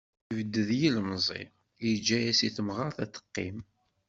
Yebded yilemẓi, yeǧǧa-as i temɣart ad teqqim